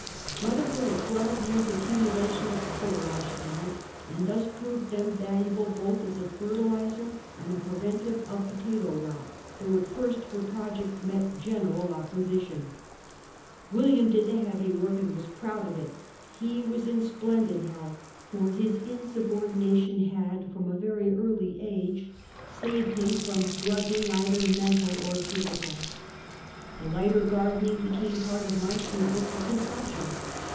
Mother put a twelve years' accumulation of coal ashes on it, and thus proved them valuable both as a fertilizer and a preventive of potato rot, though at first her project met general op position. William did the heavy work and was proud of it. He was in splendid health, for his insubordination Lose my Beothee. 31 had, from a very early age, saved him from drugging either mental or physical. The lighter gardening became part of my treatment for consumption.